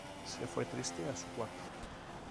Se fue triste a su cuarto.